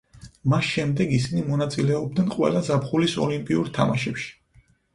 მას შემდეგ ისინი მონაწილეობდნენ ყველა ზაფხულის ოლიმპიურ თამაშებში.